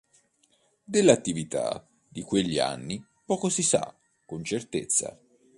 Delle attività di quegli anni poco si sa con certezza.